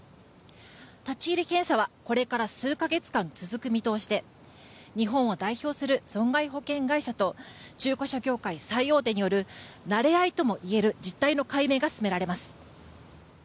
立ち入り検査はこれから数か月間続く見通しで日本を代表する損害保険会社と中古車業界最大手によるなれ合いともいえる実態の解明が進められます。